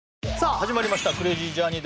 始まりましたクレイジージャーニー